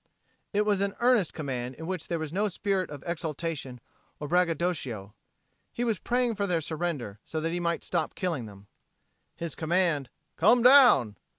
It was an earnest command in which there was no spirit of exultation or braggadocio. He was praying for their surrender, so that he might stop killing them. His command, "Come down!"